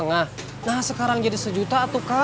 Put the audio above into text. nah sekarang jadi satu juta